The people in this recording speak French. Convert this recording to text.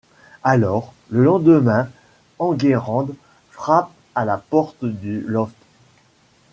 Alors, le lendemain, Enguerrand frappe à la porte du loft.